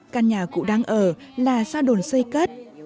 căn nhà cụ đang ở là gia đồn xây cất